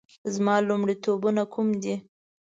زما لومړیتوبونه کوم دي؟